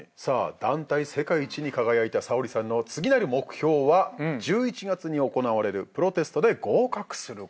団体世界一に輝いた早織さんの次なる目標は１１月に行われるプロテストで合格すること。